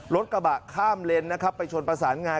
รถกระบะข้ามเลนนะครับไปชนประสานงาน